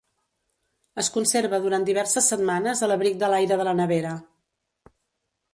Es conserva durant diverses setmanes a l'abric de l'aire de la nevera.